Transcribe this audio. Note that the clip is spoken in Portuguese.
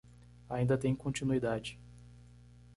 Ainda tem continuidade